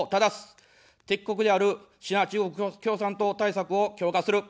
敵国であるシナ、中国共産党対策を強化する。